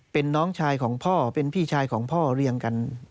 เป็นน้องชายของพ่อเป็นพี่ชายของพ่อเรียงกัน